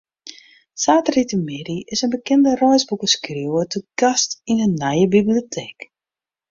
Saterdeitemiddei is in bekende reisboekeskriuwer te gast yn de nije biblioteek.